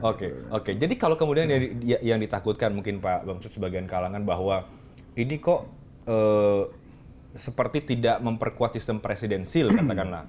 oke oke jadi kalau kemudian yang ditakutkan mungkin pak bamsud sebagian kalangan bahwa ini kok seperti tidak memperkuat sistem presidensil katakanlah